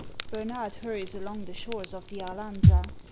Bernard hurries along the shores of the Arlanza.